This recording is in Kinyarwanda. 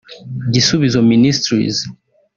Gisubizo Ministries